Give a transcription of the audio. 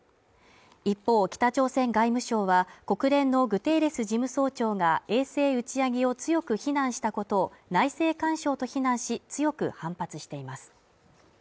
一方、北朝鮮外務省は国連のグテーレス事務総長が衛星打ち上げを強く非難したことを内政干渉と非難し強く反発しています。